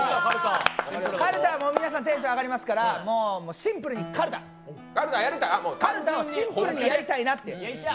カルタは皆さんテンション上がりますから、シンプルにカルタ、カルタをシンプルにやりたいなって。